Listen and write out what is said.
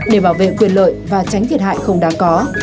để bảo vệ quyền lợi và tránh thiệt hại không đáng có